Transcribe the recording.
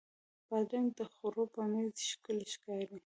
بادرنګ د خوړو په میز ښکلی ښکاري.